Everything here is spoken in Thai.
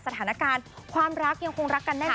สถานการณ์ความรักยังคงรักกันแน่นอ